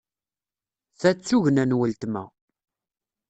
Ta d tugna n weltma.